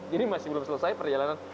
jadi masih belum selesai perjalanan